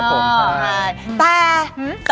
เสร็จแล้วค่ะ